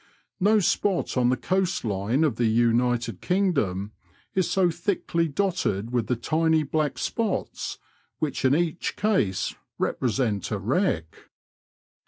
No spot on the coast line of the United Kingdom is so thickly dotted with the tiny black spots, which in each case represent a wreck.